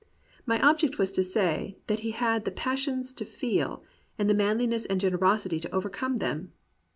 My object was to say, that he had the pas sions to feel, and the manliness and generosity to overcome them.